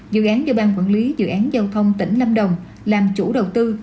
dự án do ban quản lý dự án giao thông tỉnh nam đồng làm chủ đầu tư